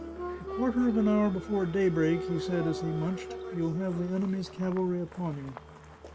" A quarter of an hour before daybreak," he said as he munched, " you'll have the enemy's cavalry upon you.